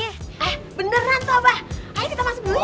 eh beneran tuh abah ayo kita masuk dulu yuk